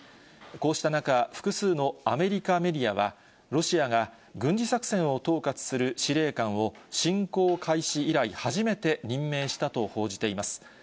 こうした中、複数のアメリカメディアは、ロシアが、軍事作戦を統括する司令官を侵攻開始以来初めて任命したと報じています。